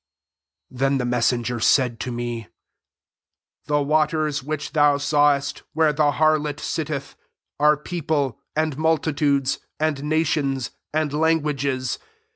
*' 15 Then the meȤenger said to me, « The waters which thou sawest, where the harlot sit teth, are people, and multitudes, and nations, and languages.